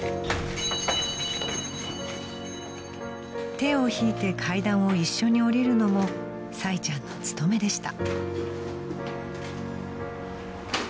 ［手を引いて階段を一緒に下りるのもサイちゃんのつとめでした］